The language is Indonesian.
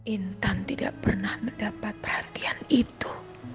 intan tidak pernah mendapat perhatian itu